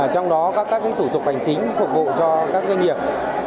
trong đó có các thủ tục hành chính phục vụ cho các doanh nghiệp